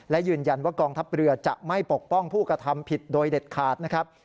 และยืนยันว่ากองทัพเรือจะไม่ปกป้องผู้กระทำผิดโดยเด็ดขาดนะครับ